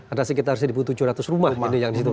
ada sekitar satu tujuh ratus rumah yang dihitung